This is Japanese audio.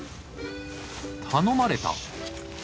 頼まれた？